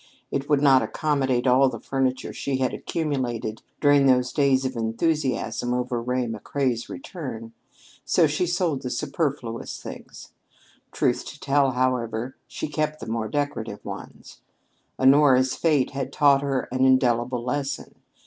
It would not accommodate all of the furniture she had accumulated during those days of enthusiasm over Ray McCrea's return, so she sold the superfluous things. Truth to tell, however, she kept the more decorative ones. Honora's fate had taught her an indelible lesson.